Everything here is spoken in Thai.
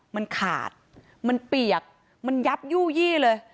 มันขาดมันเปียกมันยับยู่ยี่เลย